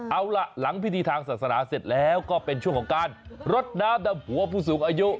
เอาล่ะหลังพิธีทางศาสนาเสร็จแล้วก็เป็นช่วงของการรดน้ำดำหัวผู้สูงอายุ